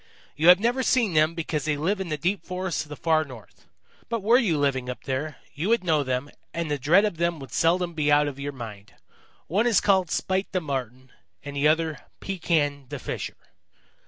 "You have never seen them because they live in the deep forests of the Far North. But were you living up there, you would know them, and the dread of them would seldom be out of your mind. One is called Spite the Marten and the other Pekan the Fisher.